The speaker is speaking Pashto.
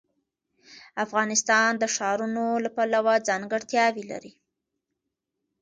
افغانستان د ښارونو له پلوه ځانګړتیاوې لري.